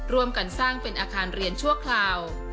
ร่วมกันสร้างเป็นอาคารเรียนชั่วคราว